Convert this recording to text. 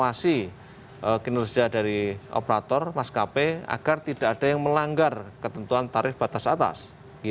jadi kita harus menawasi kinerja dari operator maskapai agar tidak ada yang melanggar ketentuan tarif batas atas